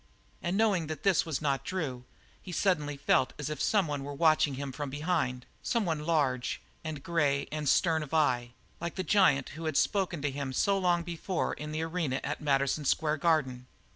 And knowing that this was not Drew, he felt suddenly as if someone were watching him from behind, someone large and grey and stern of eye, like the giant who had spoken to him so long before in the arena at Madison Square Garden.